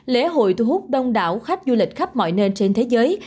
lễ hội thu hút đông đảo khách du lịch khắp mọi nơi trên thế giới